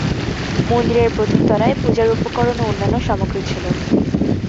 মন্দিরের প্রথম তলায় পূজার উপকরণ ও অন্যান্য সামগ্রী ছিল।